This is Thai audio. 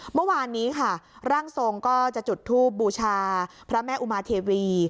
เมื่อวานนี้ค่ะร่างทรงก็จะจุดทูบบูชาพระแม่อุมาเทวี